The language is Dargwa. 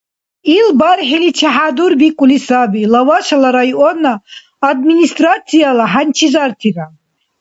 Ил бархӀиличи хӀядурбикӀули саби Лавашала районна Администрацияла хӀянчизартира.